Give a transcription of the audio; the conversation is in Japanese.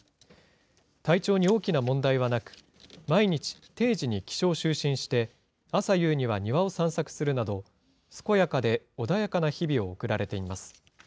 体調に大きな問題はなく、毎日、定時に起床・就寝して、朝夕には庭を散策するなど、健やかで穏やかな日々を送られています。